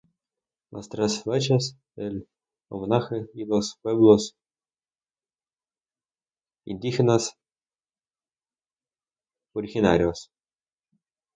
Las tres flechas, el homenaje a los pueblos indígenas originarios.